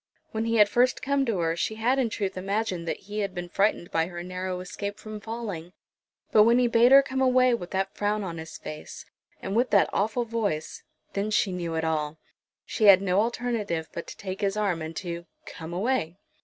When he had first come to her she had in truth imagined that he had been frightened by her narrow escape from falling. But when he bade her come away with that frown on his face, and with that awful voice, then she knew it all. She had no alternative but to take his arm, and to "come away."